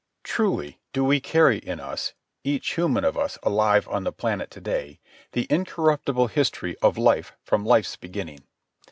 Truly do we carry in us, each human of us alive on the planet to day, the incorruptible history of life from life's beginning.